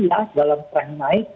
ya dalam trend naik